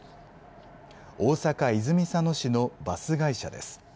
大阪・泉佐野市のバス会社です。